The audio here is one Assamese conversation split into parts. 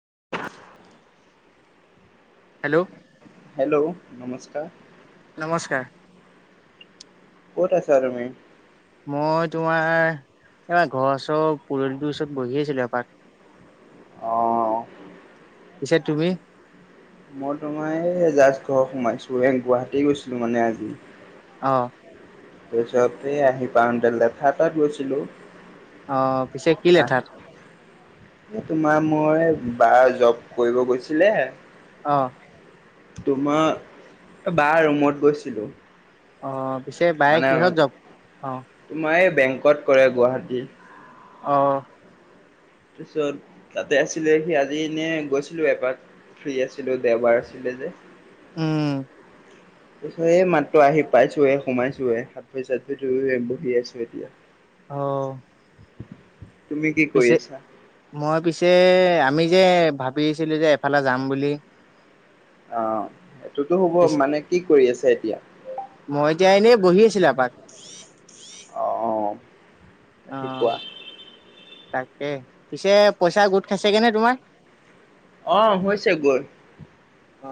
[inaudible] হেল্ল' হেল্ল', নমস্কাৰ। নমস্কাৰ। ক'ত আছা তুমি? মই তোমাৰ এইবাৰ ঘৰৰ ওচৰ পদুলিটোৰ ওচৰত বহি আছিলো এপাক। অঁ পিছে তুমি? মই তোমাৰ এইজাষ্ট ঘৰ সোমাইছো এ গুৱাহাটী গৈছিলো মানে আজি। অঁ। তাৰ পিছত এই আহি পাওঁতে লেঠা তাত গৈছিলো। অ, পিছে কি লেথাত? তোমাৰ মই বাৰ জব কৰিব গৈছিলে আহ। তোমাৰ বা ৰুমত গৈছিলো। অ, পিছে বায়ে কিহত যাব অ, বেংকট কৰে গুৱাহাটী। আহ। তাৰপিছত তাতে আছিলে সি আজি এনে গৈছিলো এপাক। ফ্ৰী আছিলো দেওবাৰ আছিলে যে। উম। এই মাত্ৰ আহি পাইছো হে সোমাইছোৱে হাত ভৰি চাত ভৰি ধুই বহি আছো এতিয়া। অহ। তুমি কি কৰি আছা? মই পিছে আমি যে ভাবিছিলো যে এফালে যাম বুলি। অ, সেইটোতো হ'ব। পি মানে কি কৰি আছে এতিয়া? মই এতিয়া এনেই বহি আছিল। আহ। আহ। তাকে পিছে পইচা গোট খাইছেগে নে তোমাৰ? অ, হৈছে গৈ। অ।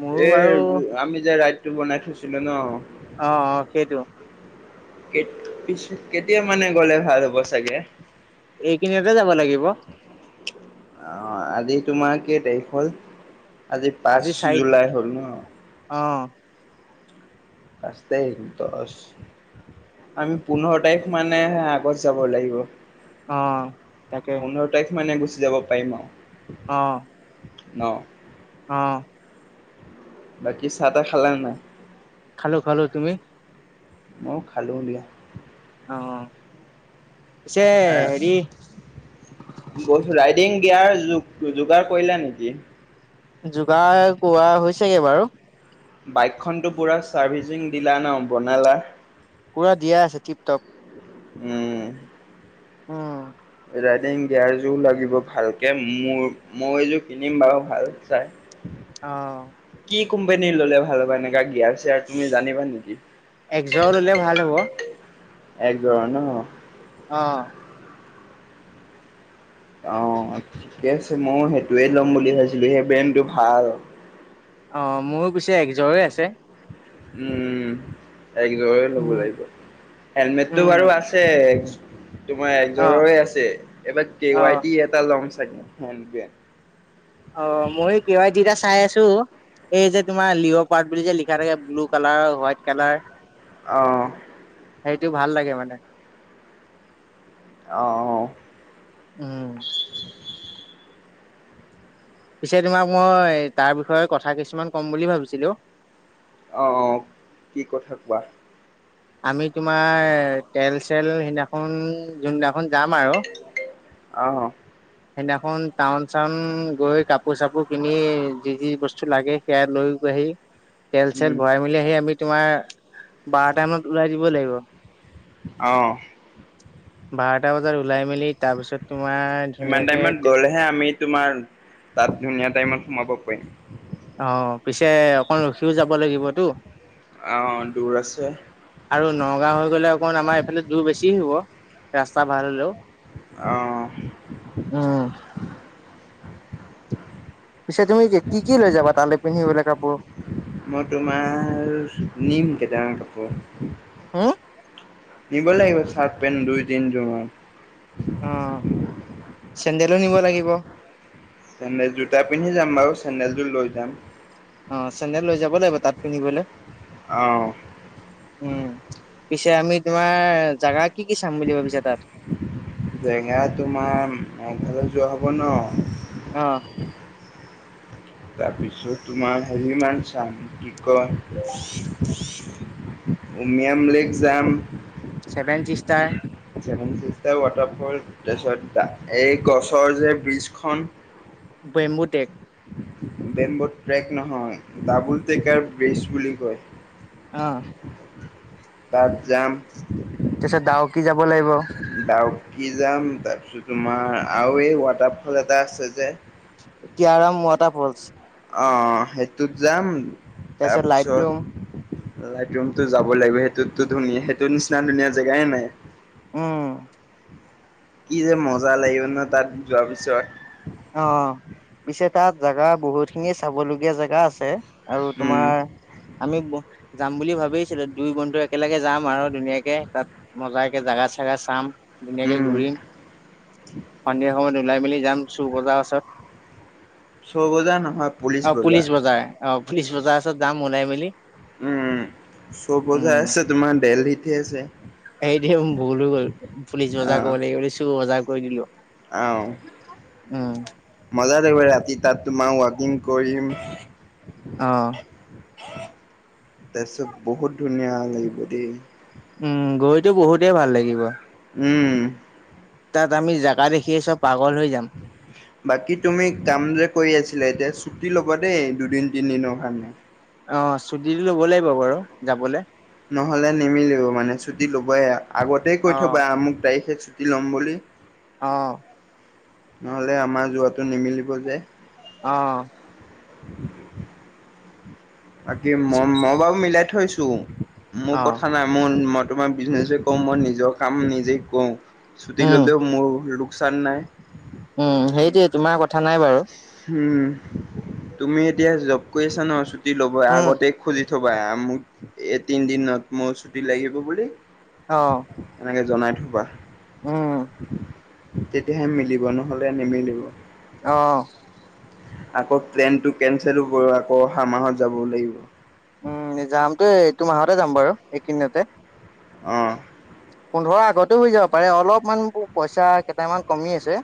মোৰো বাৰু এৰ আমি যে ৰাইটো বনাই থৈছিলো ন। অ, অ, সেইটো। পিছে কেতিয়া মানে গলে ভাল হ'ব চাগে? এই কেইদিনতে যাব লাগিব। অ, আজি তোমাৰ কেই তাৰিখ হল? আজি পাঁচ জুলাই হ'ল ন। অ পাচঁ তাৰিখ দহ আমি পোন্ধৰ তাৰিখ মানে আগত যাব লাগিব। অ, তাকে। পোন্ধৰ তাৰিখ মানে গুচি যাব পাৰিম আৰু। অ। ন? আহ। বাকী চাহ-তাহ খালা নে নাই? খালো খালো। তুমি? ময়ো খালো দিয়া। অ। পিছে এ, হেৰি গৈছো ৰাইডিং দিয়াৰ যোগাৰ কৰিলা নেকি? যোগাৰ কৰা হৈ ছেগে বাৰু। বাইকখনতো পুৰা চাৰ্ভিচিং দিলা ন বনালা? পুৰা দিয়া আছে টিপ টপ। উম। উম। ৰাইডিং গিয়াৰ জোৰ লাগিব ভালকে মোৰ মই এইযোৰ কিনিম বাৰু ভাল চাই। অঁ। কি কোম্পোনীৰ ল'লে ভাল হব এনেকা গিয়াৰ চিয়াৰ তুমি জানিবা নেকি একযৰ ললে ভাল হ'ব একজৰ ন আহঁ অঁ ঠিকে আছে মই সেইটোৱে ল'ম বুলি ভাবিছিলো সেই ব্ৰেনটো ভাল অঁ মোৰো পিছে একযৰে আছে উম একজ লব উম লাগিব। হেলমেটটো উম বাৰু আছে তোমাৰ অ এযোৰৰে আছে এইবাৰ কে অ ৱাই টি এটা লম চাগে হেণ্ড বেগ অ ময়ো কে ৱাই এদি দাছ চাই আছো এই যে তোমাৰ লিঅ' পাৰ্ট বুলি যে লিখা থাকে ব্লু কালাৰ হোৱাইট কালাৰ আহঁ সেইটো ভাল লাগে মানে আঁহ আহঁ উম পিছে তোমাক মই তাৰ বিষয়ে কথা কিছুমান কম বুলি ভাবিছিলো অঁ অঁ কি কথা কোৱা আমি তোমাৰ তেল চেল সিদিনাখন যোনদিনা খন যাম আৰু অ', সেইদিনাখন টাউন চাউন গৈ কাপোৰ চাপোৰ কিনি যি যি বস্তু লাগে সেয়া লৈ আহি তেল চেল উম, ভৰাই মেলি আহি আমি তোমাৰ বাৰটা মানত ওলাই দিব লাগিব। অ', বাৰটা বজাত লাই মেলি তাৰ পিছত তোমাৰ সিমান ধুনীয়াকে টাইমত গ'লেহে আমি তোমাৰ তাত ধুনীয়া টাইমত সোমাব পাৰিম। অ পিছে অকন ৰখিও যাব লাগিবতো। অ', দূৰ আছে আৰু নগাঁও হৈ গলে অকণ আমাৰ এইফালে দুৰ বেছি হব। ৰাস্তা ভাল হলেও। আহঁ [unintelligible] উম পিছে তুমি কি কি লৈ যাবা তালৈ পিন্ধিবলে কাপোৰ? মই তোমাৰ নিম কেইটামান কাপোৰ। হো? নিব লাগিব চাৰ্ট পেণ্ট দুই তিনযোৰমান। অঁ চেন্দেলো নিব লাগিব। চেন্দেল জোতা পিন্ধি যাম বাৰু চেণ্ডেল যোৰ লৈ যাম। অঁ চেন্দেল লৈ যাব লাগিব তাত পিন্ধিবলৈ। অ', উম পিছে আমি তমাৰ জোগা কি কি চাম বুলি ভাবিছা তাত? জেগা তোমাৰ মফালত যোৱা হব ন। অহ। তাৰপিছত তোমাৰ হেৰি মান চাম কি কয় [unintelligible] উ মিয়াম লেক যাম। Seven sisters. Seven sisters waterfall তাৰপিছত এই গছৰ যে ব্ৰিজখন। বেম্বুটেক? বেম্ব ট্ৰেক নহয় ডাবুল ট্ৰেকাৰ ব্ৰেচ বুলি কয়। আহ। তাত যাম তাৰপিছত ডাৱকি যাব লাগিব ডাউকী যাম তাৰপিছত তোমাৰ আৰু এই ৱাটাৰ ফল এটা আছে যে কাৰম ৱাটাৰফলচ অ সেইটোত যাম। তচত লাইট ৰুম লাইটৰুমতটো যাব লাগিব সেইটোতো ধুনীয়া সেইটো নিচিনা ধুনীয়া জেগাই নাই। উম। কি যে মজা লাগিব ন তাত যোৱাৰ পিছত? অ পিছে তাত জেগা বহুত খিনি চাবলগীয়া জেগা আছে। আৰু উম তোমাৰ আমি যাম বুলি ভাবিছিলো দুই বন্ধু একেলগে যাম আৰু ধুনীয়াকে তাত মজাকাকে জাগা চাগা চাম। ধুনীয়াকে উম ঘূৰিম সন্ধিয়া সময়ত ওলাই মেলি চু বজাৰ আছে। ছ বজা নহয়। অ পুলিচ বজাৰ অ পুলিচ বজাৰ ওছৰত যাম ওলাই মেলি। উম চব বজাত আছে তোমাৰ দেলহিতে আছে। এইটো ভুল হৈ গল পুলিচ বজাৰ আহ কৰিব লাগিব চুৰ বজাৰ কৰি দিলো। আহ। উম। মজা থাগিব ৰাতি তাত তোমাক ৱাকিং কৰিম। আহ। তাৰপিছত বহুত ধুনীয়া লাগিব দেই উম গৈতো বহুতেই ভাল লাগিব উম তাত আমি জোগা দেখিয়ে চব পাগল হৈ যাম বাকী তুমি কাম যে কৰি আছিলা এতিয়া ছুটি ল'বা দেই দুদিন তিনদিনৰ কাৰণে অ চুটি লব লাগিব বাৰু যাবলৈ নহ'লে নিমিলেও মানে ছুটি ল'বই আগতে কৈ অ থবা মোক তাৰিখে ছুটি ল'ম বুলি অ নহলে আমাৰ যোৱাতটো নিমিলিব যে অঁ [unintelligible] [inaudible] বাকি মই মই বাৰু মিলাই থৈছো মোৰ অ কথা নাই মোৰ ম তোমাৰ বিজনেছে কওঁ মই নিজৰ কাম নিজেই কৰোঁ ছুটি উম ল'লেও মোৰ লোকচান নাই উম সেইটোৱে তোমাৰ কথা নাই বাৰু উম তুমি এতিয়া জব কৰি আছা ন ছুটি ল'ব উম আগতে খুজি অথবাোক এ তিনি দিনত মোৰ ছুট লাগিব বুলি অ এনেকে জনাই থবা উম তেতিয়াহে মিলিব নহলে নিমিলিব আহ আকৌ প্লেনতটো কেনচেলো কৰ আকৌ অহা মাহত যাব লাগিব উম যামটো এইটো মাহতে যাম বাৰু এইকেইদিনতে আহ পোন্ধৰ আগতে হৈ যাব পাৰে অলপমান পইচা কেইটামান কমি আছে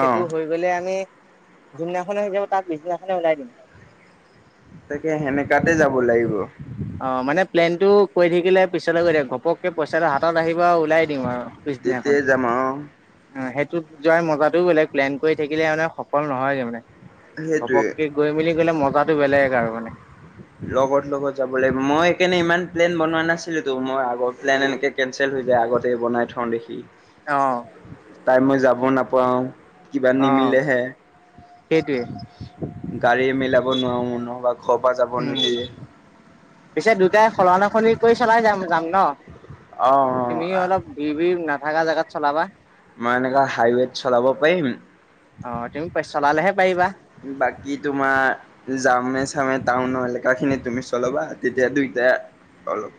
অ', সেইটো হৈ গলে আমি যোনদিনাখনে হৈ যাব তাক পিছদিনাখনে ওলাই দিম তাকে সেনেকাতে যাব লাগিব। অ মানে প্লেনটো কৈ থাকিলে পিছলৈ গৈ থাক ঘপকে পইচাটো হাতত আহি ওলাই দিম আৰু পিছদিনাখন তেতিয়াই যাম আৰু অ ত যোৱাৰ মজাটোও বেলে প্লেন কৰি থাকিলে মানে সফল নহয়গে মানে। সেইটোৱে। ঘপককে গৈ মেলি গ'লে মজাটো বেলেগ আৰু মানে। লগত লগত যাব মই কেনে ইমান প্লেন বনোৱা নাছিলো তো মই আগৰ প্লেন এনেকে কেনচেল হৈ যায় আগতেই বনাই থওঁ দেখি অ' তাই মই যাব নাপাওঁ কিবা অ' নিমিলেহে সেইটোৱে গাড়ী মিলাব নোৱাৰো, নব ঘৰ পৰা যাব উম। নোৱাৰো পিছে দুটাই সলনাসলনি কৰি চলাই যাম যাম ন? অ অ তুমি অলপ বি বি নাথাকা জাগাত চলাবা। মই এনেুৱা হাইৱেত চলাব পাৰিম, অ তুমি চলালেহে পাৰিবা। বাকী তোমাৰ যামে চামে টাউনৰ এলেকা খিনি তুমি চলাবা তেতিয়া দুই দে অলপ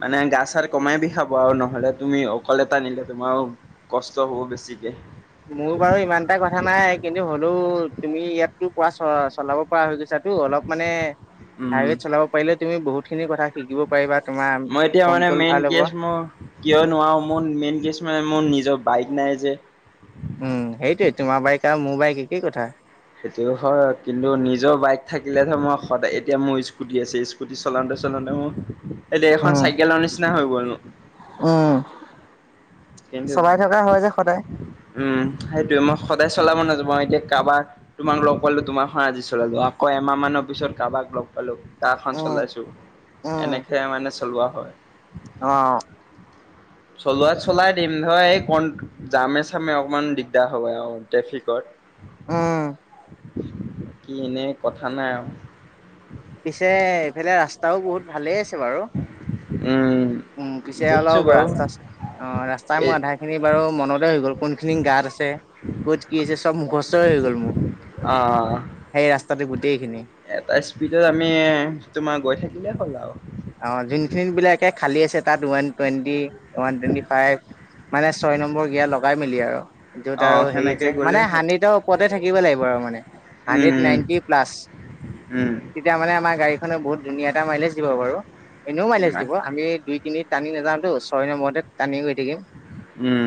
মানে গা চাৰ কমাই বিষাব আৰু নহলে তুমি অকলে টানিলে তোমাৰ কষ্ট হ'ব বেছি। মোৰ বাৰু ইমানটা কথা নাই কিন্তু হলেও তুমি ইয়াতো পৰা চ চলাব পৰা হৈ গৈছাতো অলপ মানে উম হাইৱেত চলাব পাৰিলে তুমি বহুত খিনি কথা শিকিব পাৰিবা তোমাৰ মই এতিয়া মানে কন্ট্ৰল মেইন ভাল হ'ব কেচ মই কিয় নোৱাৰো মোৰ মেইন কেছ মানে মোৰ নিজৰ বাইক নাই যে উম সেইটোৱে তোমাৰ বাইকে আৰু মোৰ বাইক একেই কথা। সেইটো হয় কিন্তু নিজৰ বাইক থাকিলে ধৰ মই সদায় এতিয়া মোৰ স্কুটি আছে স্কুটি চলাওঁতে আচলতে মোৰ এই দেৰ বেলেগ এখন চাইকেলৰ নিচিনা হৈ গ'ল নো উ কিন্তু উম সেইটোয়ে মই সদায় চলাব নযো মই এতিয়া কাৰোবাক তোমাক লগ পালো তোমাৰ আজি চলালো, আকৌ এমাহ মানৰ পিছত কাৰোবাক লগ পালো তাৰখন উম চলাইছোঁ এনেকৈ মানে চলোৱা হয়। আহ চলোৱাত চলাই দিম ধৰা এই ক জামে চামে অকমান দিগদাৰ হয় আৰু ট্ৰেফিকৰ। উম কি এনেই কথা নাই আৰু। পিছে এইফালে ৰাস্তাও বহুত ভালে আছে। বাৰু উম উম পিছে দেখিছো অলও বাৰু ৰাস্তা চ্ত অ ৰাস্তাই এই মোৰ আধা খিনি বাৰু মনতে হৈ গ'ল কোন খিনি গাত আছে, ক'ত কি আ হৈছে চব গছৰ হৈ গ'ল মোৰ। অ তাতে গোটেইখিনি। এটা স্পীডত আমি তোমাৰ গৈ থাকিলে হ'ল আৰু। অ যোনখিনি বিলাকে খালী আছে তাত one twenty, one twenty five মানে ছয় নম্বৰ গিয়েৰ লগাই মেলি আৰু য'ত অ আৰু হেৰি সেনেকে আছে মানে গ'লে হ'ল হান্দ্ৰেতৰ ওপৰতে থাকিব লাগিব আৰু। হান্দেত উম নাইনতি প্লাছ উম তেতিয়া মানে আমাৰ গাড়ি বহুত ধুনীয়া এটা মাইলেজ দিব বাৰু। এনেও মাইলেজ দিব আমি দুই তিনি টানি নাযাওঁটো ছয় নম্বৰতে টানি থাকিম উম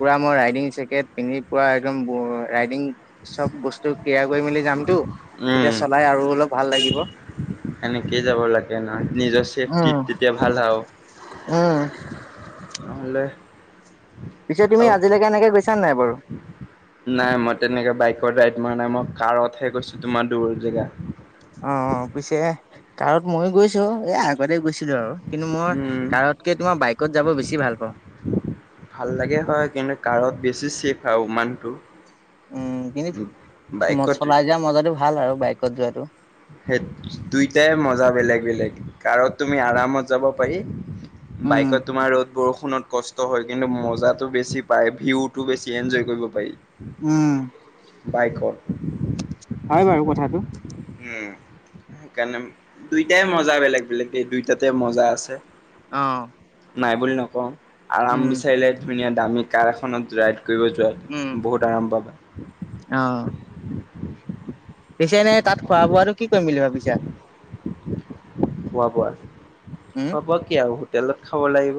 পুৰা মই ৰাইডিং জেকেট পিন্ধি পুৰা একদম ৰাইডিং চব বস্তু ক্লিয়াৰ কৰি মেলি যামতটো, তেতিয়া উম চলাই আৰু অলপ ভাল লাগিব। সেনেকেই যাব লাগে নহয় নিজৰ চেফটিত উম তেতিয়া ভাল আৰু। উম ভালে। পিছে তুমি আজিলৈকে এনেকে গৈছা নে নাই বাৰু। নাই মই তেনেকে বাইকৰ ৰাইড মৰা নাই মই কাৰতহে গৈছো তোমাৰ দূৰ জেগা- অ পিছে তত ময়ো গৈছো এ আগতে গৈছিলো আৰু কিন্তু মই উম কাৰতকে তোমাৰ বাইকত যাব বেছি ভাল পাওঁ। ভাল লাগে হয় কিন্তু কাৰত বেছি চেফ আৰু মানুহটো- উম কিন্তু বাইকত চলাই যোৱা মজাটো ভাল আৰু বাইকত যোৱাাতটো- সেই দুইটাই মজা বেলেগ -বেলেগ কাৰত তুমি আৰামত যাব পাৰি। উম বাইকত তোমাৰ ৰ'দ, বৰষু, ফোনত কষ্ট হয় কিন্তু মজাটো বেছি পায় ভিউতটো বেছি এনজয় কৰিব পাৰি। উম বাইকৰ হয় বাৰু কথাটো উ সেইকাৰণে দুইটাই মজা বেলেগ বেলেগ এই দুইটাতে মজা আছে। অহ নাই বুলি নকওঁ আৰাম বিচাৰিলে ধুনীয়া দামী কাৰ এখনত যই কৰিব যোৱাত বহুত আৰাম পাবা অহ পিছেনে তাত খোৱা বোৱাটো কি কৰিম বুলি ভাবিছা। খোৱা- বোৱা? উম খোৱা- বোৱা কি আৰু হোটেলত খাব লাগিব।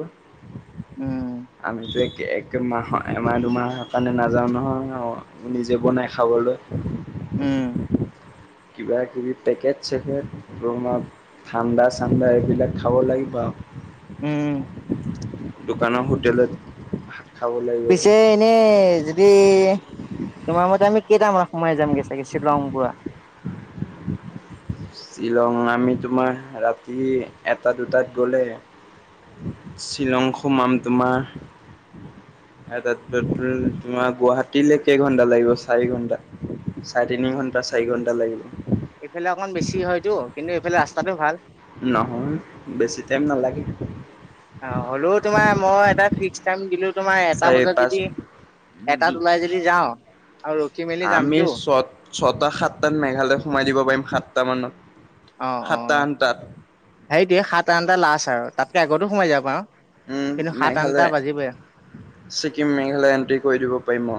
উম আমি ত একমাহৰ এমাহ দুমাহৰ কাৰণে নাযাওঁ নহয় নিজে বনাই খাবলৈ। উম কিবা কিবি পেকেজ চেকট বনাম ঠাণ্ডা ছাণ্ডা এইবিলাক খাব লাগিব আৰু উম দোকানৰ হোটেলত খাব লাগিব পিছে ধৰ এনেই যদি তোমাৰ মতে আমি- কেইটামানত সোমাই যামগৈ চাগে শ্বিলং পুৰা- শ্বিলং আমি তোমাৰ ৰাতি এটা দুটাত গ'লে- শ্বিলং সোমাম তোমাৰ তাত তোমাৰ গুৱাহাটীলৈ কেই ঘন্টা লাগিব চাৰি ঘন্টা। চাৰে তিনি ঘণ্টা চাৰি ঘণ্টা লাগিল। এইফালে অকমান বেছি হয়টো কিন্তু এইফালে ৰাস্তা ভাল- নহ বেছি টাইম ন লাগে। অ হ'লেও তোমাৰ মই এটা ফিক্স টাইম দিলো তোমাৰ এটা চাৰি বজাত পাঁচ যদি। এটাত ওলাই যদি যাওঁ। আৰু ৰখি মেলি আমি যামতো ছ ছটা সাতটাত মেঘালয়ত সোমাই দিব পাৰিম সাতটা মানত। অ অ সাতটা আঠটাত হে দ সাত আঠটা লাষ্ট আৰু তাতকে আগতো সোমাই যাবাৰ আৰু- উম মেঘালয় ছিকিম মেঘালয় এন্ট্ৰি কৰি দিব পাৰিম অ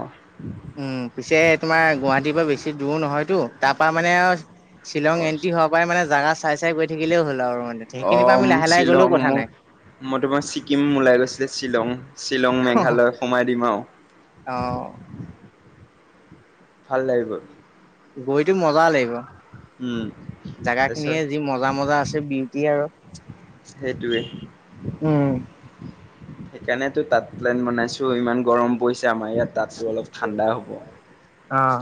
উম পিছে তোমাৰ গুৱাহাটীৰ পৰা বেছি দূৰ নহয়তো তাৰ পৰাা মানে আৰু- [unintelligible] শ্বিলং অ', এণ্ট্ৰি হোৱাৰ পৰাই মানে জাগা চাই চাই গৈ থাকিলেও হ'ল আৰু মানে অ সেইখিনিৰ পৰা আমি লাহে লাহে গ'লেও শ্বিলং কথা ম নাই মই তোমাৰ ছিকিম ওলাই গৈছিলে শ্বিলং- শ্বিলং মেঘালয় সোমাই দিম। আৰু অ ভাল লাগিব- গৈতো মজা লাগিব- উম, জাগা তাৰপিছত খিনিয়ে যি মজা মজা আছে বিউটি আৰু সেইটোৱে উম সেইকাৰণটো তাত প্লেন বনাইছো ইমান গৰম পৰিছে আমাৰ ইয়াত তাতো অলপ ঠাণ্ডা হ'ব। আহ